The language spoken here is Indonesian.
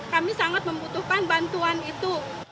kami sangat membutuhkan bantuan itu